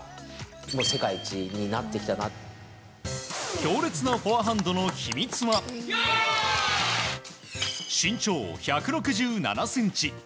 強烈なフォアハンドの秘密は身長１６７ｃｍ